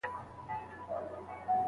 څېړونکي ډېر نوي معلومات ترلاسه کړي دي.